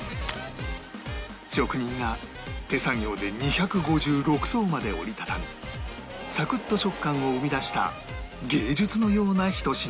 職人が手作業で２５６層まで折り畳みサクッと食感を生み出した芸術のようなひと品